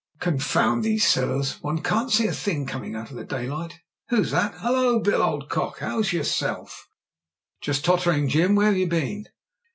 "Gmfound these cellars. One can't see a thing, coming in out of the daylight. Who's that ? Halloa, Bill, old cock, 'ow's yourself?" "Just tottering, Jim. Where've you been?"